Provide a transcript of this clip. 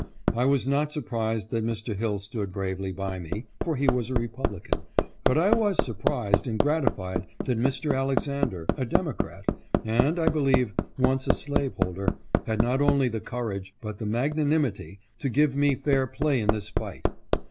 I was not sur prised that Mr. Hill stood bravely by me, for he was a Republican ; but I was surprised and gratified that Mr. Alexander, a Democrat, and, I believe, once a slaveholder, had not only the courage, but the magnanimity to give me fair play in this fight.